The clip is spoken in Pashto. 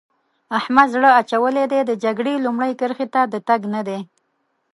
احمد زړه اچولی دی؛ د جګړې لومړۍ کرښې ته د تګ نه دی.